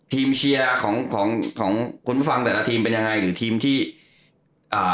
ทีมเชียร์ของของของคุณผู้ฟังแต่ละทีมเป็นยังไงหรือทีมที่อ่า